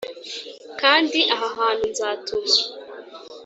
Kandi aha hantu nzatuma